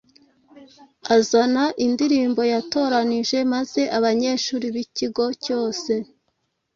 Azana indirimbo yatoranyije, maze abanyeshuri b’ikigo cyose